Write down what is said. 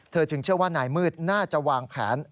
จึงเชื่อว่านายมืดน่าจะวางแผน